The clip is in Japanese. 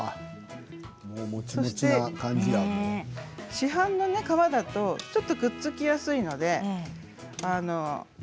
市販の皮だとちょっと、くっつきやすいので。